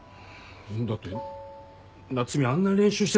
だって夏海あんなに練習してたじゃん。